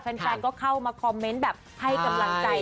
แฟนก็เข้ามาคอมเมนต์แบบให้กำลังใจ